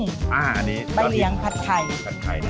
บะเรียงผัดไทย